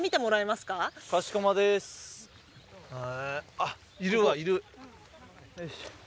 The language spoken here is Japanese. あっいるわいる。